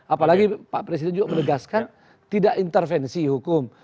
apalagi pak presiden juga menegaskan tidak intervensi hukum